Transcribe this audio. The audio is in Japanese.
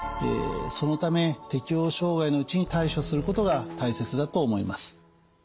そのため適応障害のうちに対処することが大切だと思います。